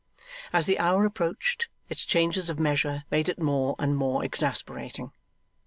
As the hour approached, its changes of measure made it more and more exasperating.